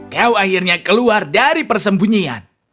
kau akhirnya keluar dari persembunyian